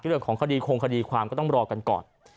เรื่องของคดีคงคดีความก็ต้องรอกันก่อน